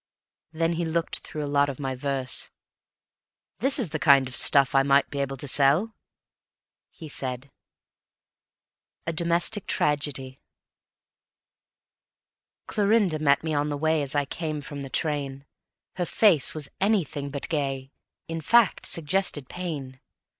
Then he looked through a lot of my verse: "This is the kind of stuff I might be able to sell," he said: A Domestic Tragedy Clorinda met me on the way As I came from the train; Her face was anything but gay, In fact, suggested pain.